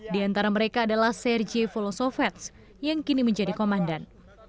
di antara mereka adalah serge volosovets yang kini menjadi komandan